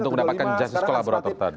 untuk mendapatkan justice kolaborator tadi